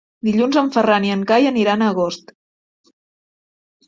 Dilluns en Ferran i en Cai aniran a Agost.